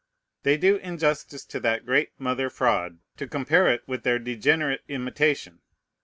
They do injustice to that great mother fraud, to compare it with their degenerate imitation.